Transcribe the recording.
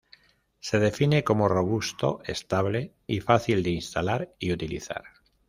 Se define como robusto, estable y fácil de instalar y utilizar.